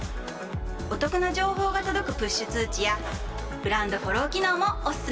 お得な情報が届くプッシュ通知やブランドフォロー機能もおすすめ！